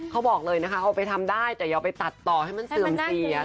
เขาบอกเลยนะคะเอาไปทำได้แต่อย่าไปตัดต่อให้มันเสื่อมเสีย